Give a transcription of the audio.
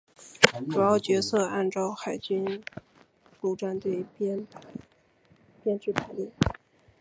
主要角色按照海军陆战队编制排列。